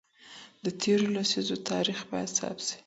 د تېرو لسیزو تاریخ باید ثبت سي.